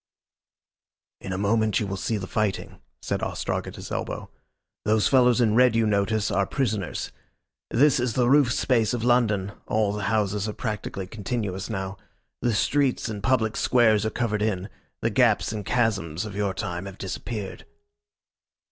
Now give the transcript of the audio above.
"In a moment you will see the fighting," said Ostrog at his elbow. "Those fellows in red you notice are prisoners. This is the roof space of London all the houses are practically continuous now. The streets and public squares are covered in. The gaps and chasms of your time have disappeared."